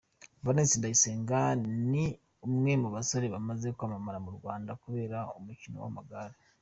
Valens Ndayisenga ni umwe mu basore bamaze kwamamara mu Rwanda kubera umukino w’amagare.